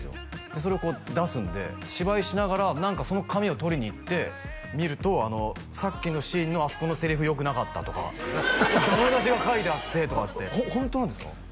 でそれを出すんで芝居しながら何かその紙を取りに行って見るとさっきのシーンのあそこのセリフ良くなかったとかダメ出しが書いてあってとかってホントなんですか？